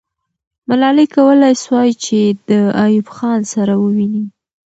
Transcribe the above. ملالۍ کولای سوای چې د ایوب خان سره وویني.